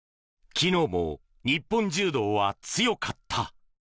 昨日も日本柔道は強かった。